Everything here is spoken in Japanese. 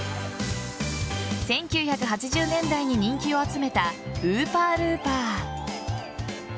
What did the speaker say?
１９８０年代に人気を集めたウーパールーパー。